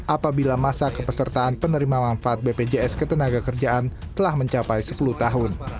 apabila masa kepesertaan penerima manfaat bpjs ketenaga kerjaan telah mencapai sepuluh tahun